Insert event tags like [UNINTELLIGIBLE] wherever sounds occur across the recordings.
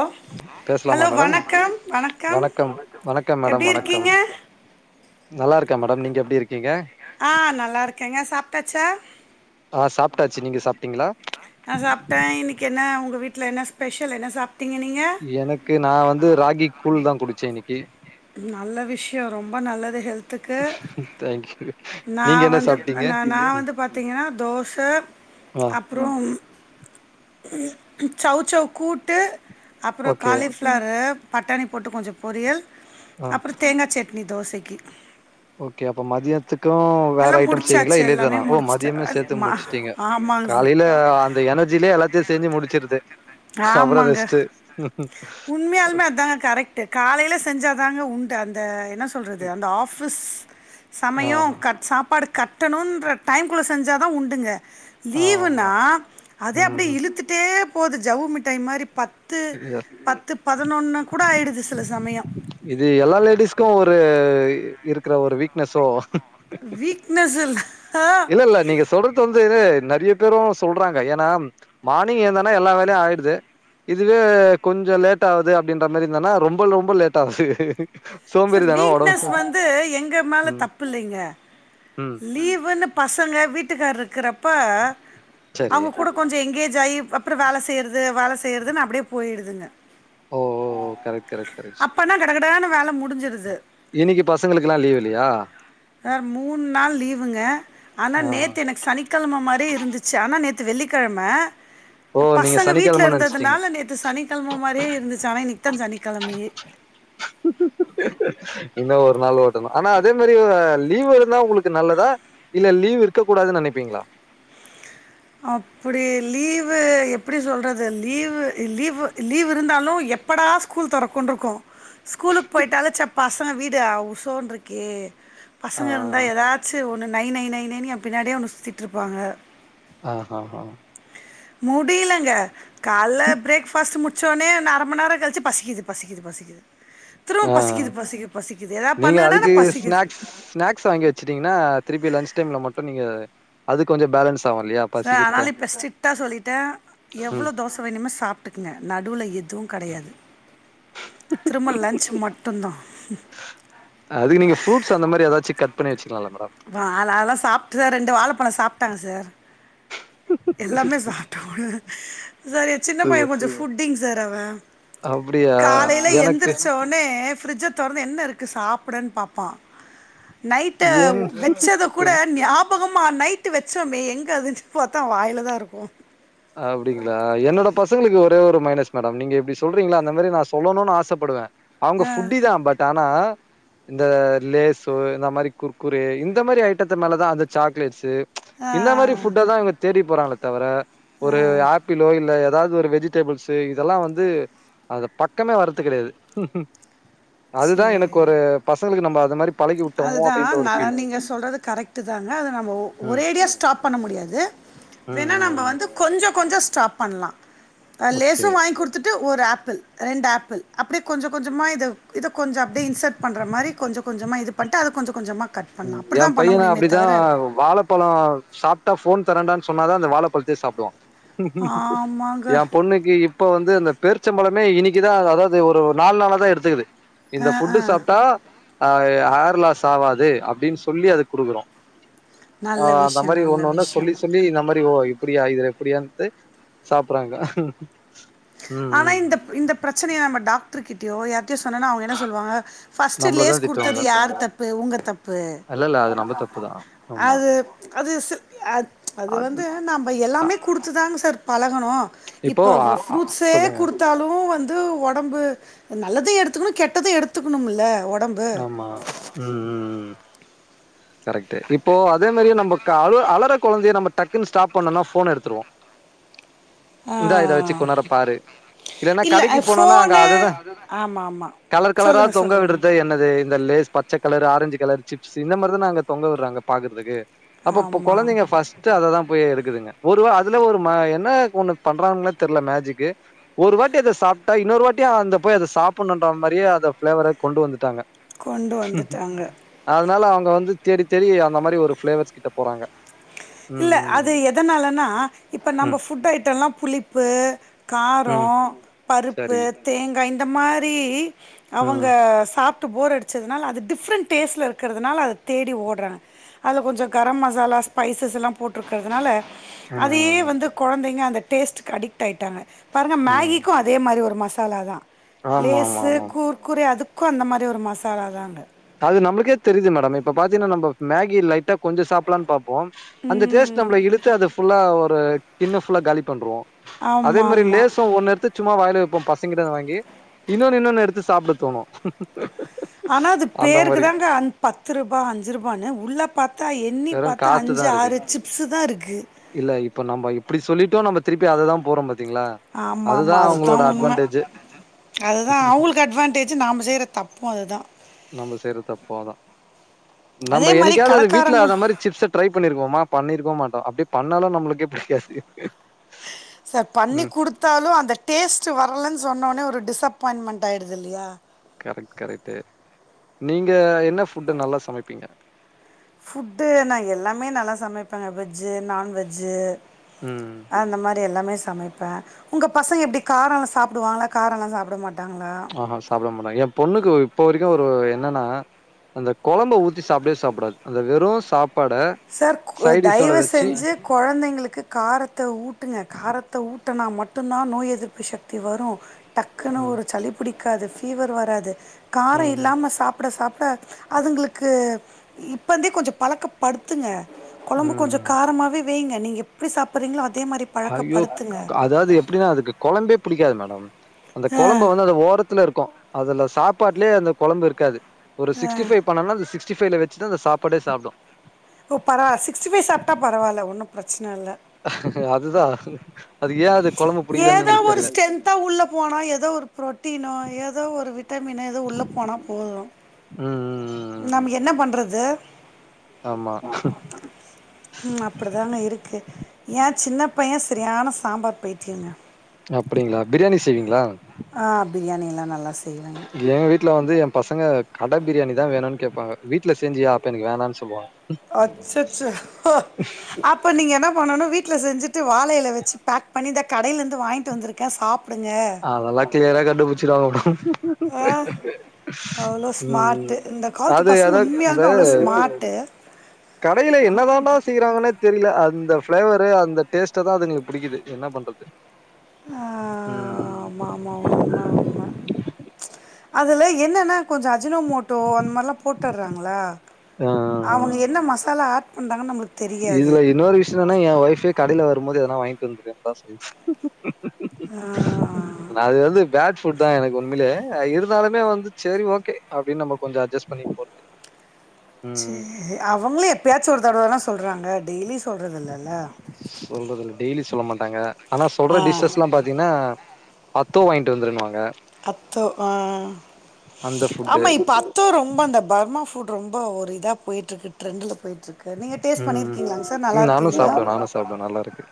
Hello பேச்லாமா hello madam வணக்கம் வணக்கம் வணக்கம் மேடம் எப்டி வணக்கம் இருக்கீங்க நல்லார்க்கே மேடம் நீங்க எப்டி இருக்கீங்க ஆ நல்லா இருக்கேங்க சாப்ட்டாச்சா ஆ சாப்டாச்சு நீங்க சாப்ட்டீங்கிளா ஆ சாப்டே இன்னைக்கு என்ன உங்க வீட்ல என்ன ஸ்பெஷல் என்ன சாப் எனக்கு நா வந்து ராகிக் கூழ்தா குடிச்சே இன்னைக்கி நல்ல விஷ்யோ ரொம்ப நல்லது ஹெல்த் த்துக்கு தேங்க்யூ நா நீங்க என்ன வந்து சாப்பிட்டீங்க ந நா வந்து பாத்தீங்கனா தோச அ அப்றம் சவ் சவ் கூட்டு அப்றோ ஓகே காலிஃப்ளரு பட்டாணிப் போட்டு கொஞ்சப் பொரியல் ஆ அப்றோ தேங்கா செட் நீ தோசைக்கு ஓகே அப்ப மதியத்துக்கு வேற எல்லா ஐட்டம் செய்வீங்களா முடிச்சாச்சு இல்ல எல்லாமே இதுதானா ஓ மதியமே முடிச்சுட்டே சேத்து முடிச்சுட்டீங்க ஆமாங்க காலையில அந்த எனர்ஜிலயே எல்லாத்தையு செஞ்சு முடிச்சிருது அப்புறோ ஆமாங்க. ரெஸ்டு உண்மையாலுமே அதாங்க கரெக்டு காலையில செஞ்சாதாங்க உண்டு அந்த என்ன இ சொல்றது அந்த ஆபிஸ் சமையே ஆஹா கட் சாப்பாடு கட் டணுன்ற டைம்க்குள்ள செஞ்ச தா உண்டுங்க லீவுனா ஆமா அதே அப்டியே ம் இழுத்துட்டு விட்டே போகுது ஜவ்வு மிட்டாய் மாரி பத்து பத் து பதினொன்னு கூட ஆயிடுது சில சமயம் இது எல்லா லேடிஸ்க்கு ஒரு இருக்கிற ஒரு வீக்னஸோ இல்ல இல்ல நீங்க சொல்றது இப்ப வந்து இது நெறையா பேரு சொல்றாங்க ஏன்னா மார்னிங் ஏந்தன்னா எல்லா வேலையு ஆயிடுது இதுவே கொஞ்ச லேட் ஆகுது அப்டின்ற மாதிரி இருந்தானா ரொம்ப ரொம்ப லேட் ஆகுது சார் சோம்பேறிதான வீக்னஸ் உடம்பு. வந்து எங்க மேல ம் தப்புயில்லைங்க ம் லீவுன்னு பசங்க வீட்டுக்காரு இருக்கிறப்ப சரி. அவங்க கூட கொஞ்சோ எனங்கேஜ் ஆகி அப்புறோ வேல செய்யறது வேல செய்யறது அப்டியே போயிடுதுங்க ஓ ஓ ஓ கரெக்ட் கரெக்ட் கரெக்ட் கடக்கடானு வேல முடிஞ்சிருது இன்னைக்கு பசங்களுக்கெல்லா லீவ் இல்லையா சார் மூணு நாள் லீவுங்க ஆனா ஆ நேத்து எனக்கு சனி கிழம மாரி இருந்துச்சி ஆனா நேத்து வெள்ளிக்கிழம ஓ நீங்க பசங்க வீட்டுல சனிக்கிழமன்னு நெனச்சுட்டீங்க. இருந்ததுனால நேத்து சனிக்கிழம மாரியே இருந்துச்சி ஆனா இன்னக்கி தா சனிக்கிழமயே [INAUDIBLE] இன்னு ஒரு நாள் ஓட்டணு ஆனா அதே மாரி லீவு இருந்தா உங்களுக்கு நல்லதா இல்ல லீவ் இருக்க கூடாது நினைப்பீங்களா அப்புடி லீவு எப்பிடி சொல்றது லீவு லீவு லீவ் இருந்தாலு எப் எப்படா ஸ்கூல் தொரக்குண்டு இருக்கு ஸ்கூலுக்கு போயிட்டாலே சப்ப பசங்க வீடு உசோன் இருக்கே ஆ பசங்க இருந்தா ஏதாச்சி ஒன்னு நை நை நை நைனி எ பின்னாடியே ஒன்னு சுத்திட்டு இருப்பாங்க ஆ ஆ ஆ முடியிலங்க கால பிரேக் ஃபாஸ்டு மு டிசோன்னே இன்னு அர மணி நேர கழிச்சி பசிக்குது பசிக்குது பசிக்குது திரும்ப ஆ. பசிக்குது பசிக்குது பசிக்குது ஏதாவது நீங்க பண்ணுங்கடா அதுக்கு பசிக்குது ஸ்நாக்ஸ் ஸ்நாக்ஸ் வாங்கியா வச்சுட்டீங்கன்னா திருப்பி லன்ச் டைம்ல மட்டு நீங்க அது கொஞ்சோ பேலன்ஸ் ஆகு இல்லையா சார் பசிக்கிறத அதனால இப்ப ஸ்டிட்டா சொல்லிட்டே ம் எவ்ளோ தோச வேணுமே சாப் பிடுங்க நடுவுல எதுவு கிடையாது திரும்ப லன்ச் மட்டுதா அதுக்கு நீங்க ஃபுரூட்ஸ் அந்த மாரி ஏதாச்சு கட் பண்ணி வச்சிக்கலால மேடம் அத அதெல்லா சாப்புட்டு தா ரெண்டு வாழப்பழ சாப்புட்டாங்க சார் எல்லாமே சாப்புட்ட கூட சார் எ சின்ன பைய கொஞ்ச ஃபுட்டிங் சார் அவ அப்டியா காலயில எனக்கு எந்திரிச்ச ஓ டனே பிர்ஜ தொடர்ந்து என்ன இருக்கு சாப்டனு பாப்பா நைட்டு ஏன் வச்சத கூட ஞாபகமாக நைட்டு வச்சோமே எங்கே அதுன்னு பாத்தா அவ வாயில தா இருக்கு அப்பிடிங்களா என்னோட பசங்களுக்கு ஒரே ஒரு மைனஸ் மேடம் நீங்க எப்பிடி சொல்றீங்களா அந்த மாரி நா சொல்லணுனு ஆசப்படுவே அவுங்க ஆ ஃபுட்டி தா பட் ஆனா இந்த லேசு இந்த மாரி குற்குறே இந்த மாரி ஐட்டத்த மேலதா அந்த சாக்லேட்ஸு இந்த மாரி ஃபுட்டதா இவுங்க தேடி போறாங்களே தவிர ஒரு ஆ ப்பிளோ இல்ல எதாவ்து ஒரு வெஜிடேபிள்ஸு இதெல்லா வந்து அந்த பக்கமே வர்றது கெடையாது அதுதா எனக்கு ஒரு பசங்களுக்கு நம்ப அது மாரி பழகி விட்டோமோ அதுதா அப்டின்ற ஒரு நா ஃபீல் நீங்க சொல்றது கரெக்ட்டு தாங்க அத நம்ப ஒரேடியா ஸ்டாப் பண்ண முடியாது ம் வேணா நம்ம ம் ம் வந்து கொஞ்சோ கொஞ்சோ ஸ்டாப் பண்லா அ லேசு ஓகே வாய்ங் குடுத் துட்டு ஒரு ஆப்பிள் ரெண்டு ஆப்பிள் அப்புடியே கொஞ்ச கொஞ்சமா இத கொஞ்ச அப்டே இன்செட் பண்ற மாரி கொஞ்சோ கொஞ்சமா இது பண்ட்டு அது கொஞ்ச கொஞ்சமா கட் பண்லா ம் ஏ அப்டிதா பண்ண பையன முடியுமே அப்டிதா தவிர வாழப் பழோ சாப்ட்டா ஃபோன் தரண்டான்னு சொன்னாத அந்த வாழப்பழ்த்தே சாப்டுவா ஆமாங்க ஏ பொண்ணுக்கு இப் போ வந்து இந்த பேருச்சம்பழமே இனிக்கிதா அதாவது ஒரு நால்நாளதா எடுத்துக்குது ஆ இந்த ஆ ஃபுட்டு சாப்ட்டா அ ஹேர்லாஸாவாது அப்டின் சொல்லி அத குடுக்குறோ ஆ நல்ல அந்த விஷ்யோ மாரி நல்ல ஒண்ணு ஒன்னா விஷ்யோ சொல்லி சொல்லி இந்த மாரி ஓ இப்புடியா இதுல இப்பிடியான்ட்டு சாப்புறாங்க ஆனா இந்த இந்த ப்ரெச்சனிய நம்ம டாக்ட்ரு கிட்டியோ யார்ட்டியு சொன்னேன்னா அவுங்க என்ன சொல்லுவாங்க ஃபஸ்ட்டு நம்மளதா லேஸ் குடுத்தது திட்டுவாங்க யாரு தப்பு உங்க தப்பு இல்ல இல்ல அது நம்ம தப்புதா ஆமா அது அது சி அ அது வந்து நாம்ப அ, எல்லாமே குடுத்து தாங்க சார் பழகணு இப்போ ஆ அ த்தே சொல்லுங்க குடுத்தாலு வந்து ஒடம்பு நல்லது எடுத்துக்கணு கெட்டது எடுத்துக்கணுமுல்ல ஒடம் ஆமா ம் ம் ம் கரெக்ட்டு இப்போ அதே மாரியே நம்ப க அழுற அழற கொழந்தைய நம்ம டக்குன்னு ஸ்டாப் பண்ணுனா ஃபோன எடுத்துருவோ ஆ. இந்தா இத வெச்சு கொஞ்நேர பாரு இல்லனா இல்லை கடைக்கு போனோனா அங்க ஃபோனு அததான் ஆமாம் ஆமாம் கலர் கலரா சொல்லுங்கள் தொங்க விடுறது சொல்லுங்கள் என்ன இது இந்த லேஸ் பச்ச கலரு ஆரஞ்சு கலர் சிப்ஸ் இந்த மாரிதான அங்க தொங்க விட்றாங்க பாக்கற்துக்கு அப்ப ஆமாம் கொழந்தைங்க ஃபஸ்ட்டு அததா போய் எடுக்குதுங்க ஒருவா அதுல ஒரு ம என்ன ஒண்ணு பண்றாங்ன்னே தெர்ல மேஜிக்கு ஒரு வாட்டி அத சாப்ட்டா இன்னொரு வாட்டி அந்த போய் அத சாப்புண்ணுன்ற மாரியே அத ஃப்ளேவர கொண்டு வந்துட்டாங்க கொண்டு வந்துட்டாங்க அதனால அவுங்க வந்து தேடி தேடி அந்த மாரி ஒரு ஃபிளேவர்ஸ் கிட்ட போறாங்க ம் இல்ல அது ம் எதனாலன்னா இப்போ நம்ம ம் ஃபுட் ஐட்டல்லா புளிப்பு காரோ ம் பருப்பு சரி தேங்கா இந்த மாரி அவுங்க ம் சாப் டு போர் அடிச்சதுனால அது டிஃப்ரெண்ட் டேஸ்ல இருக்கிறதுனால அத தேடி ஓட்றாங் அதுல கொஞ்சோ கரம் மசாலா ஸ்பை சஸெல்லா போட்ருக்கிறதுனால அதயே ம் வந்து கொழந்தைங்க அந்த டேஸ்ட்டுக் அடிக் ஆயிட்டாங்க பாருங்க ம் மேகிக்கு அதே மாரி ஒரு மசாலாதா ஆமா ஆமா லேசு ஆமா குர் குரே அதுக்கு அந்த மாரி ஒரு மசாலா தாங்க அது நம்ப்ளுக்கே தெரிது மேடம் இப்ப பாத்தீன்னா நம்ப மேகி லைட்டா கொஞ்ச சாப்புலான் பாப் போம் அந்த டேஸ்ட் நம்மள இழுத்து அது ஃபுல்லா ஒரு கிண்ணு ஃபுல்லா காலி பண்றோ அதே மாரி ஆமாமா. லேசு ஒன்னெடுத்து சும்மா வாயில வெப்போம் பசங்கிட்டந்து வாங்கி இன்னொன்னு இன்னொன்னு எடுத்து சாப்புட தோணு ஆனா அது அந்த பேருக்கு மாரி தாங்க அன் பத்து ரூபா அஞ்சு ரூபானு உள்ள பாத்தா எண்ணி வெறு பாத்தா காத்துதா அஞ்சு இருக்கு ஆறு சிப்ஸுதா இருக்கு இல்ல இப்ப நம்ம இப்புடி சொல்லிட்டு நம்ம திருப்பி அததா போறோ பாத்தீங்ளா ஆமா அதுதா அவுங்ளோட அட்வான்டேஜ் அதுதா அவுங்குள்க்கு அட்வான்டேஜி நாம செய்ற தப்பு அதுதா நம்ப செய்ற தப்பு அதா நம்ப அதே மாதிரி என்னிக்காது அத வீட்ல கடைக்காரங்களும் அதமர் சிப்ஸ் ட்ரை பண்ணிருக்கோமா பண்ணிருக்கோ மாட்டோ அப்டே பண்ணாலு நம்மளுக்கே புடிக்காது சர் பண்ணி குடுத்தாலு அந்த டேஸ்ட்டு வரலன் சொன்னவொனே ஒரு டிஸப்பாயின்மண்ட் ஆயிடுதுல்யா கரெக்ட் கரெக்டு நீங்க என்ன ஃபுட்டு நல்லா சமைப்பீங்க ஃபுட்டு நா எல்லாமே நல்லா சமைப்பேங்க வெஜ்ஜு நான்வெஜ்ஜு ம் அ அந்த மாரி எல்லாமே சமைப்பே உங்க பசங்க எப்டி காரல்லா சாப்டுவாங்களா காரல்லா சாப்ட மாட்டாங்ளா அ ஹ சாப்ட மாட்ட எ பொண்ணுக்கு இப்ப வரிக்கு ஒரு என்னனா அந்த கொழம்ப ஊத்தி சாப்வே சாப்டாது அந்த வெறு சாப்பாட சார் கு சைடிஷோட தய்வ வச்சு செஞ்சு கொழந்தைங்ளுக்கு காரத்த ஊட்டுங்க காரத்த ஊட்டுனா மட்டுந்தா நோய் எதிர்ப்பு சக்தி வரு டக்குனு ம். ஒரு சளி புடிக்காது ஃபீவர் வராது கார ம், ம். இல்லாம சாப்புட சாப்புட அதுங்ளுக்கு இப்பந்தே கொஞ்ச பழக்கப் படுத்துங்க கொழம்பு கொஞ்ச ம். காரமாவே வெங்க நீங்க எப்டி சாப்புற்றீங்ளோ அதே மாரி ஐயோ அதாது எப்டினா அதுக்கு கொழம்பே புடிக்காது மேடம் அந்த ஆ கொழம்ப வந்து அத ஓரத் துல்ல இருக்கு அதுல சாப்பாட்லே அந்த கொழம்ப இருக்காது ஒரு சிக்ஸ்டி ஃபைவ் பண்ணன்னா அந்த சிக்ஸ் சிக்ஸ்டிஃபை வச்சுதா அந்த சாப்பாடே சாப்டு ஓ பரவா சிக்ஸ்டிஃபை சாப்டா பரவால்ல ஒன்னு பிரச்சனல்ல அதுதா ஏதோ ஒரு ஸ்ரென்த்தா உள்ள போனா ஏதோ ஒரு புரோட்டீனோ ஏதோ ஒரு விட் ட்டமினு எது உள்ளே போனா போது ம் ம் ம் நம் ம். என்ன பண்றது ஆமா ம் அப்புடிதாங்க இருக்கு ஏ சின்ன பைய செரியான சாம்பார் பைத்திங்யங்க அப்புடிங்ளா பிரியாணி செய்வீங்ளா ஆ பிரியாணியெல்லா நல்லா செய்வங்க எங் வீட்ல வந்து ஏ பசங்க கட பிரியாணி தா வேணு கேபாங்க வீட்ல செஞ்சியா அப்ப எனக்கு வேணான் சொல்வாங் அச்சசோ அப்ப நீங்க என்னா பண்ணு வீட்ல செஞ்சு து வாழைல வெச்சு பேக் பண்ணி த கடைலந்து வாங்கிட்டு வந்துருக்க சாப்ட்டு அதல்லாம் க்ளியரா கண்டுபுச்சிடுவாங்கு ஆ அவ்வளோ ம் ம் ஸ்மார்ட்டு இந்த காலத்து அது பசங்க அதா அந்த உண்மையாலுமே அவ்வளோ ஸ்மார்ட்டு கடையில என்ன தாண்டா செய்றாங்கன்னே தெரில அந்த ஃப்ளேவரு அந்த டேஸ்ட்ட தா அதுங்ளுக்கு புடிக்கிது என்ன பண்றது ம் ஆமாமா உண்மா உண்ம அதுல என்னனா கொஞ்ச அஜினோ மோட்டோ அந்த மார்லா போட்டற்றாங்ளா ஆ ஆ அவுங்க என்ன மசாலா வந்தாங்க நம்முளுக் இதுல இன்னொரு விஷ் என்னனா ஏ ஒய்ஃபே கடைல வருமோது எதானா வாய்ட்டு வந்ருன்னு தா சொல்லி யா நா அது வந்து பேட் ஃபுட் தா எனக்கு உண்மிலே இருந்தாலுமே வந்து சேரி ஓகே அப்டின் நம்ப கொஞ்ச அஜஸ் பண்ணி போற்து சே அவங்களு எப்பயாச்சு ஒரு தடவனா சொல்றாங்க டெய்லி சொ சொல்றதுல்ல டெய்லி சொல்ல மாட்டாங்க ஆனா ஆ சொல்ற டிஷ்ஷஸ்லா பாத்தீங்கனா அத்தோ வாங்கிட்டு வந்துருன்வாங்க அத்தோ ஆ அந்த ஃபுட்டு ஆமா இப்ப அத் த்தோ ரொம்ப அந்த பர்மா ஃபுட் ரொம்ப ஒரு இதா போய்ட்ருக்கு ட்ரெண்ட்டுல போயிட்ருக் கு நீங்க டேஸ்ட் ம் பண்ணிருக்கீங்ளாங்க சார் நல்லா இருக்குங்ளா ல்லாருக்கு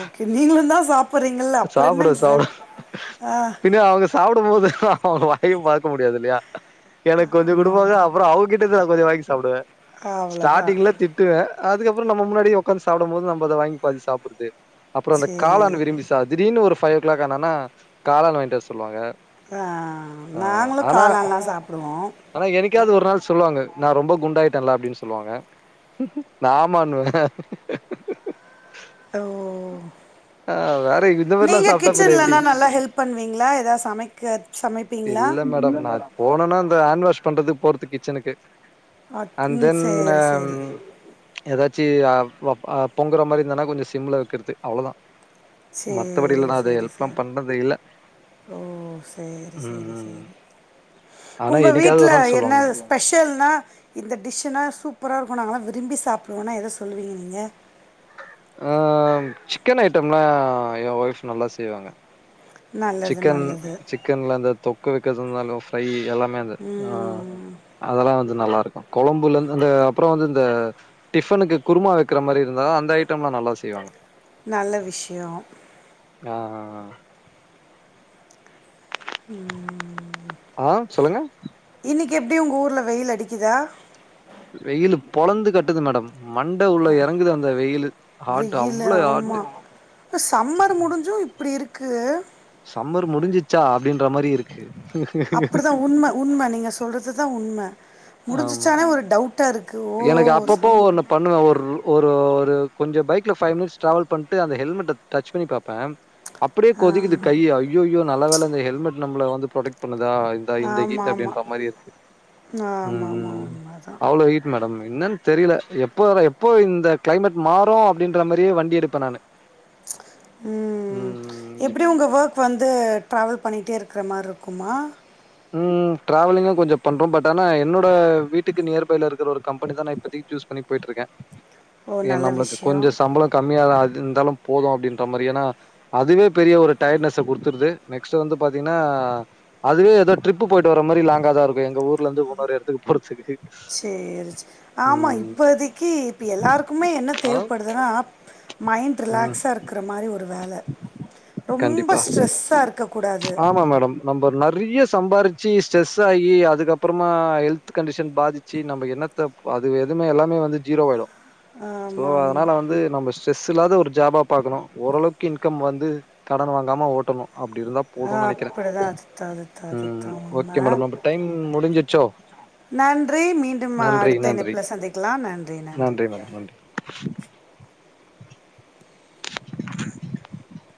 ஓகே நீங்களுந்தா சாப் சாப்பிடுவே சாப்டுவே ஆ. பின்னே அவ்ங்க சாப்பிடும் போது அவ்ங்க வாயு பாக்க முடியாது இல்லையா எனக்கு கொஞ்ச ஆமா குடுப்பாங்க ஆமா அப்றோ அவ்ங்கிட் டருந்து நா கொஞ்ச வாங்கி சாப்டுவே அவ்ளோதான் ஸ்டார்ட்டிங்ல திட் டுவே அதுக்கப்பற நம்ம முன்னாடி ஒக்காந்து சாப்புடும் போது நம்ம அத வாங்கி பாதி சாப்பிட்றது அப்பற அந்த சேரி காளான் விரும்பி சா தா திடீர்னு ஒரு ஃபைவ் ஓ கிளாக் ஆனோன காளான் வாங்கிட்டு வர சொல்லுவாங்க ஆ அ நாங்களு ஆனா காளான்லா சாப்டுவோ ஆனா என்னைக்காவ்து ஒரு நாள் சொல்லுவாங்க நான் ரொம்ப குண்டாயிட்டன்ல அப்டின் சொல்லுவாங்க நா ஆமானுவே ஓ அ வேற் நீங்க கிச்சன்லனா நல்லா ஹெல்ப் பண்ணுவீங்ளா எதாவ்து சமைக்க சமைப்பீங்ளா இல்ல மேடம் நா போனனா அந்த ஹேண்ட் வாஷ் பண்றதுக்கு போறது கிச்சனுக்கு அட் அண்ட் ம் தென் சேரி அன் சேரி எதாச்சு அ வ அ பொங்குற மாரி இருந்தனா கொஞ்ச சிம்ல வெக்கிறது அவ்ளோதா மத்தபடிலா சேரி நா அத சேரி ஹெல்ப்லா சேரி பண்றது இல்ல ஓ சேரி ம் சேரி ம். சேரி ஆனா, உங்க என்னைக்காவது வீட்ல ஒரு நாள் சொல்லுவாங்க. என்னது ஸ்பெஷல்னா இந்த டிஷ்ஷுனா சூப்பரா இருக்கு நாங்களா விரும்பி சாப்டுவோனா எத சொல்லுவீங்க நீங்க ஆம் சிக்கன் ஐட்டம்லா எ ஒய்ஃப் நல்லா செய்வாங்க நல்லது சிக்கன் நல்லது சிக்கன்ல அந்த தொக்கு வெக்கிறது இருந்தாலு ஃப்ரை எல்லாமே அந்த ஆ ம் அதெல்லா வந்து நல்லாருக்கு கொழம்புலருந்து அந்த அப்பற வந்து இந்த டிஃபனுக்கு குருமா வெக்கிற மாரி இருந்தா அந்த ஐட்ம்லா நல்லா செய்வாங்க நல்ல விஷ்யோ ஆ ம் ஆ சொல்லுங்க இன்னைக்கு எப்டி உங்க ஊர்ல வெயில் அடிக்குதா வெயிலு பொழந்து கட்டுது மேடம் மண்ட உள்ள எறங்குது அந்த வெயிலு ஹாட்டு அவ்ளோ ஹாட்டு இப்ப சம்மர் முடிஞ்சு இப்டி இருக்கு சம்மர் முடிஞ்சிச்சா அப்டின்ற மாரி இருக்கு அப்டிதா உண்ம உண்ம நீங்க சொல்றது தா உண்ம ஆமா. முடிஞ்சிச்சானே ஒரு டவுட்டா இருக்கு ஓ சம் பண்ணுவே ஒர் ஒரு ஒரு கொஞ்ச பைக்ல ஃபைவ் மினிட்ஸ் ட்ராவல் பண்ட்டு அந்த ஹெல்மெட்ட டச் பண்ணி பாப்பே அப்டியே கொதிக்குது கையி ஐயய்யோ நல்ல வேல இந்த ஹெல்மெட் நம்மள வந்து ப்ரெக்ட் பண்ணுதா தா இந்த ஹீத் அப்டின்ற மாரி இருக்கு ம், ஆமாம்மா ம். உண்மாதா அவ்ளோ ஹீட் மேடம் என்னன் தெரியல எப்போவர எப்போ இந்த கிளைமேட் மாறு அப்டின்ற மாரியே வண்டி எடுப்பே நானு ம் ம் ம் எப்டி உங்க வொர்க் வந்து டிராவல் பண்ணிகிட்டே இருக்கிற மார்ருக்குமா ம் டிராவலிங்கு கொஞ்ச பண்றோ பட் ஆனா என்னோட வீட்டுக்கு நியர் பைல இருக்கிற ஒரு கம்பெனிக்கு தா இப்பதைக் சூஸ் பண்ணி போய்ட்டு இருக்கே ஓ ஏனா நல்ல நம்மளுக்கு கொஞ்சோ விஷயம் சம்பள கம் மியா தா ஆகுது இருந்தாலு போது அப்டின்ற மாரியான அதுவே பெரிய ஒரு டயர்ட்னஸ்ஸு குடுத்துருது நெக்ஸ்ட் வந்து பாத்தீங்கன்னா அதுவே ஏதோ ட்ரிப்பு போய்ட்டு வர மாரி லாங்காதா இருக்கு எங்க ஊர்லருந்து இன்னொரு எடத்துக்கு போறதுக்கு சேரி சே ஆமா ம் இப்பதைக்கு இப்ப எல்லாருக்குமே என்ன ஆ தேவைப்படுதுன்னா மைண்ட் ம் ரிலாக்ஸா இருக்கிற மாதிரி ஒரு வேல ரொம்ப கண்டிப்பா ஸ்ட்ரெஸா இருக்க ஆமா மேடம் நம்போ நெறைய சம்பாிச்சு ஸ்ட்ரெஸ் ஆகி அதுக்கப்புறமா ஹெல்த் கண்டிஷன் பாதிச் சி நம்ம என்னத்தை அது எதுவுமே எல்லாமே வந்து ஜீரோவாய்டு சோ ஆமா, ஆமா. அதனால வந்து நம்ம ஸ்ட்ரெஸ் இல்லாத ஒரு ஜாபா பாக்கணு ஓரளவுக்கு இன்கம் வந்து கடன் வாங்காம ஓட்டணு அப்டி இருந்தா ஆ போதுன்னு நெனைக்கிறேன் அப்படிதான் அதுதான், அதுதான், ம் ம் அதுதான் ஓகே உண்ம. மேடம் நம்ப டைம் முடிஞ்சுச்சோ நன்றி மீண்டும் அடுத்த இணைப்பில சந்திக்கலா நன்றி நன்றி [UNINTELLIGIBLE] [UNINTELLIGIBLE]